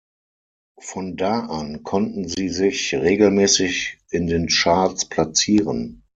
Von da an konnten sie sich regelmäßig in den Charts platzieren.